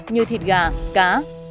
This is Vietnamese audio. như thịt gà cá